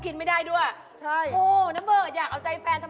น้ำเบิร์ดจะเติม